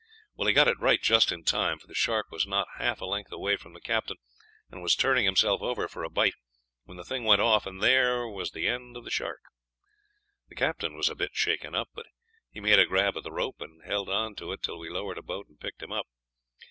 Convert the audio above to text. Well, he got it right just in time, for the shark was not half a length away from the captain, and was turning himself over for a bite, when the thing went off, and there was an end of the shark. The captain was a bit shaken up, but he made a grab at the rope, and held on to it till we lowered a boat and picked him up.